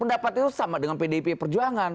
pendapat itu sama dengan pdip perjuangan